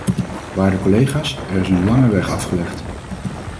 Waarde collega's, er is een lange weg afgelegd!